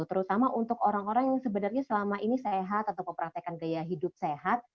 terutama untuk orang orang yang sebenarnya selama ini sehat atau mempraktekan gaya hidup sehat